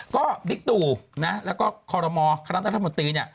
ก็บิ๊กตูและก็คอลโรมอร์คณะตรัฐมนตรี